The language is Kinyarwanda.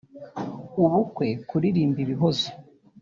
ubukwe kuririmba ibihozo